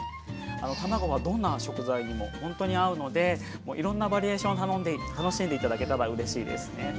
卵はどんな食材にもほんとに合うのでもういろんなバリエーション楽しんで頂けたらうれしいですね。